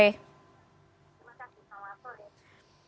terima kasih selamat sore